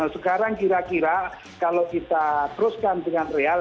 sekarang kira kira kalau kita teruskan dengan real